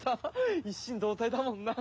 一心同体だもんな。